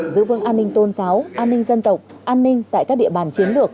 giữ vững an ninh tôn giáo an ninh dân tộc an ninh tại các địa bàn chiến lược